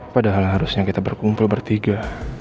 padahal harusnya kita berkumpul bertiga